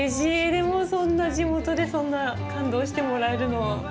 でもそんな地元でそんな感動してもらえるの。